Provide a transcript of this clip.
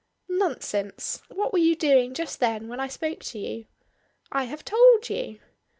"Nonsense! What were you doing just then when I spoke to you?" "I have told you."